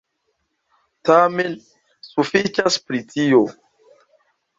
Tamen, sufiĉas pri tio.